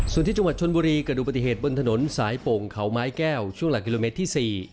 ส่วนที่จังหวัดชนบุรีเกิดดูปฏิเหตุบนถนนสายโป่งเขาไม้แก้วช่วงหลักกิโลเมตรที่๔